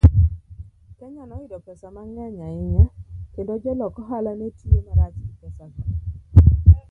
Kenya noyudo pesa mang'eny ahinya, kendo jolok ohala ne tiyo marach gi pesago.